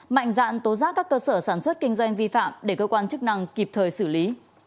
mạnh dạn tố giác các cơ sở sản xuất kinh doanh vi phạm để cơ quan chức năng kịp thời xử lý